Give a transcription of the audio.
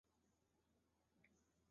找到一间餐厅就进去吃